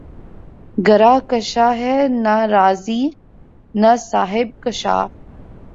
گرہ کشا ہے نہ رازیؔ نہ صاحب کشافؔ